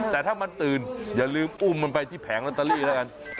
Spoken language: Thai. แต่ถ้ามันตื่นอย่าลืมอุ้มมันไปที่แผงลอตเตอรี่แล้วกัน